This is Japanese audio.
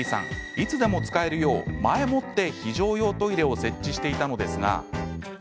いつでも使えるよう前もって非常用トイレを設置していたのですが。